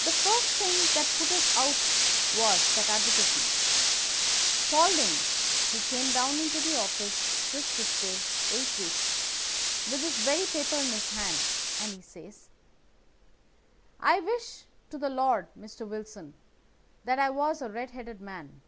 "The first thing that put us out was that advertisement. Spaulding, he came down into the office just this day eight weeks, with this very paper in his hand, and he says: "'I wish to the Lord, Mr. Wilson, that I was a red headed man.